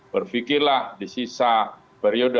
berfikirlah di sisa perioda